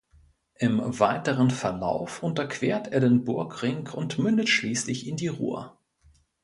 Im weiteren Verlauf unterquert er den Burgring und mündet schließlich in die Rur.